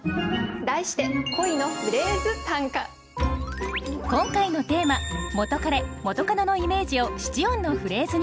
題して今回のテーマ「元カレ・元カノ」のイメージを七音のフレーズに。